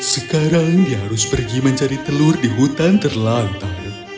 sekarang dia harus pergi mencari telur di hutan terlantar